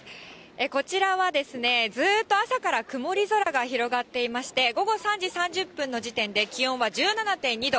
こちらはですね、ずっと朝から曇り空が広がっていまして、午後３時３０分の時点で、気温は１７．２度。